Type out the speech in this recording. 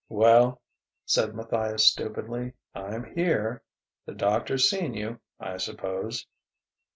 "Well," said Matthias stupidly, "I'm here.... The doctor's seen you, I suppose?"